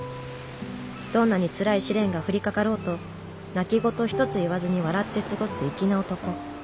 どんなにつらい試練が降りかかろうと泣き言ひとつ言わずに笑って過ごす粋な男。